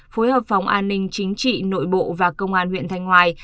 phối hợp phòng an ninh chính trị nội bộ và công an huyện thanh hoài